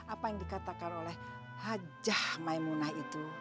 apa yang dikatakan oleh hajah maimunah itu